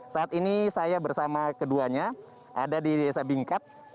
saat ini saya bersama keduanya ada di desa bingkat